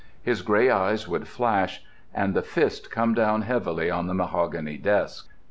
His gray eyes would flash—and the fist come down heavily on the mahogany desk.